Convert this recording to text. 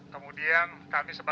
kemudian kami sempat